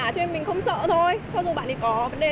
thế nhưng không mấy ai muốn cắt hiệp